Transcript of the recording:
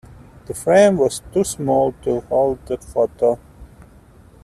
The frame was too small to hold the photo.